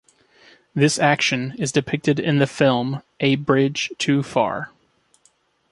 This action is depicted in the film "A Bridge Too Far".